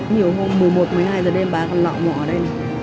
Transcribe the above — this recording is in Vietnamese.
nhiều hôm mùa một mùa hai giờ đêm bác còn lọ mọ ở đây